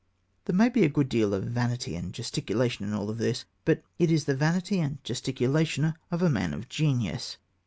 There may be a good deal of vanity and gesticulation in all this, but it is the vanity and gesticulation of a man of genius.